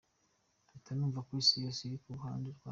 Mpita numva ko Isi yose iri ku ruhande rwacu.